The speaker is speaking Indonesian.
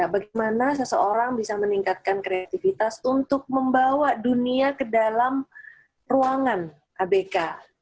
bagaimana seseorang bisa meningkatkan kreativitas untuk membawa dunia ke dalam ruangan abk